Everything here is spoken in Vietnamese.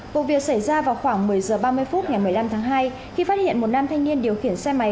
vụ việc xảy ra vào khoảng một mươi h ba mươi phút ngày một mươi năm tháng hai khi phát hiện một nam thanh niên điều khiển xe máy